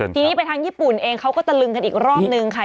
ทีนี้ไปทางญี่ปุ่นเองเขาก็ตะลึงกันอีกรอบนึงค่ะ